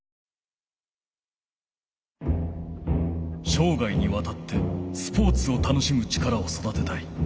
しょうがいにわたってスポーツをたのしむ力をそだてたい。